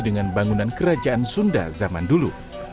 dengan bangunan kerajaan sunda zaman dulu